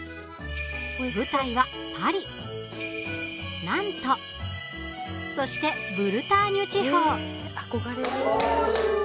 舞台はパリ、ナントそしてブルターニュ地方。